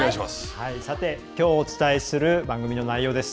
さて、きょうお伝えする番組の内容です。